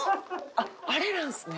あっあれなんですね。